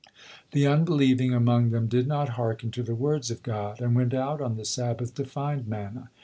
The unbelieving among them did not hearken to the words of God, and went out on the Sabbath to find manna.